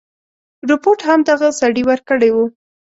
رپوټ هم دغه سړي ورکړی وو.